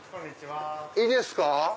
いいですか？